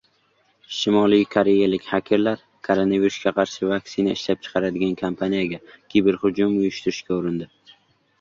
Shimoliy koreyalik xakerlar koronavirusga qarshi vaksina ishlab chiqaradigan kompaniyaga kiberhujum uyushtirishga urindi